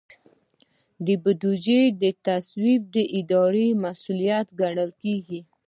د بودیجې تثبیت د ادارې مسؤلیت ګڼل کیږي.